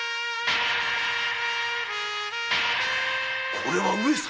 これは上様！